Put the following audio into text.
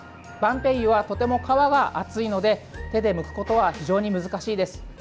ばんぺいゆはとても皮が厚いので手でむくことは非常に難しいです。